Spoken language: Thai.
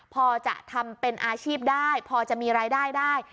พอจะทำเป็นอาชีพได้พอจะมีรายได้ได้